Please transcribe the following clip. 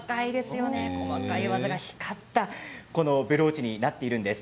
細かい技が光ったブローチになっているんです。